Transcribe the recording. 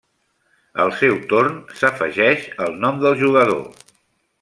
Al seu torn s'afegeix el nom del jugador.